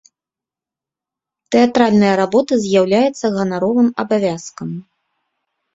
Тэатральная работа з'яўляецца ганаровым абавязкам.